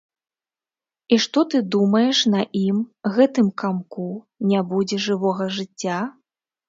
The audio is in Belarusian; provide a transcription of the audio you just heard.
І што ты думаеш, на ім, гэтым камку, не будзе жывога жыцця?